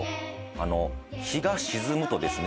あの日が沈むとですね